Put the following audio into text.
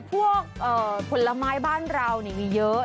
พวกผลไม้บ้านเรานี่มีเยอะ